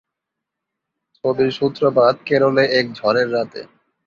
ছবির সূত্রপাত কেরলে এক ঝড়ের রাতে।